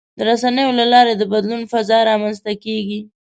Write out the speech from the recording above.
د رسنیو له لارې د بدلون فضا رامنځته کېږي.